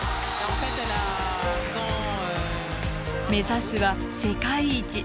目指すは世界一。